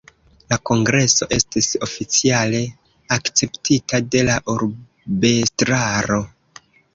La kongreso estis oficiale akceptita de la urbestraro.